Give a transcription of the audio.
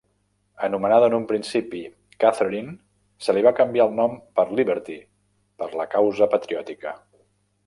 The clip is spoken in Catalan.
Anomenada en un principi Katherine, se li va canviar el nom per "Liberty" per la causa patriòtica.